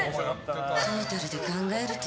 トータルで考えると。